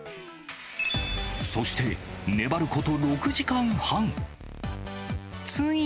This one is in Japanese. そして、粘ること６時間半。